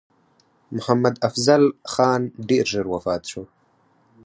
محمدافضل خان ډېر ژر وفات شو.